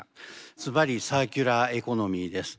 ずばり「サーキュラーエコノミー」です。